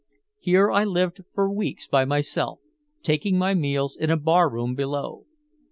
Here I lived for weeks by myself, taking my meals in a barroom below.